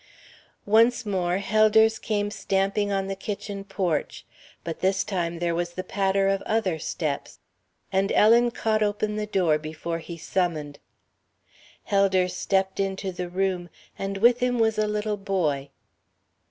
Once more Helders came stamping on the kitchen porch, but this time there was a patter of other steps, and Ellen caught open the door before he summoned. Helders stepped into the room, and with him was a little boy.